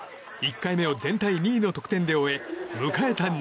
１回目を全体２位の得点で終え迎えた